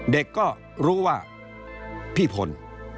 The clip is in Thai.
เด็กก็รู้ว่าพี่พล